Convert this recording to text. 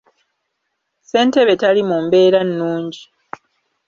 Ssentebe tali mu mbeera nnungi.